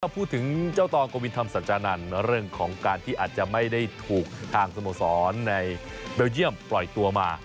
พูดถึงเจ้าตองกวินธรรมสัจจานันทร์เรื่องของการที่อาจจะไม่ได้ถูกทางสโมสรในเบลเยี่ยมปล่อยตัวมา